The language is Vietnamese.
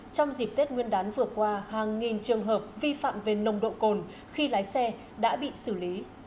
trong dịp tết nguyên đán vừa qua hàng nghìn trường hợp vi phạm về nồng độ cồn khi lái xe đã bị xử lý